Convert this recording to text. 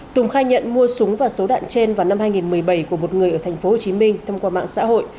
tùng khai nhận mua súng và số đạn trên vào năm hai nghìn một mươi bảy của một người ở tp hcm thông qua mạng xã hội